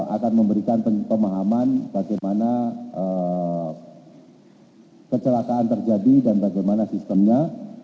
akan memberikan pemahaman bagaimana kecelakaan terjadi dan bagaimana sistemnya